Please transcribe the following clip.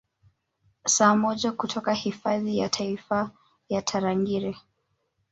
Saa moja kutoka hifadhi ya Taifa ya Tarangire